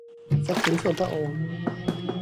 ทรัพย์สินส่วนพระองค์